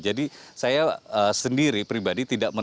jadi saya sendiri pribadi tidak menemukan